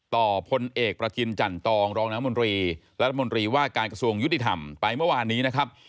พลเอกประกินจันตองรองน้ำมนตรีและรัฐมนตรีว่าการกระทรวงยุติธรรมไปเมื่อวานนี้นะครับ